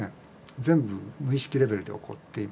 全部無意識レベルで起こっています。